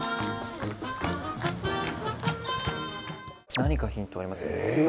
何かヒントありますよね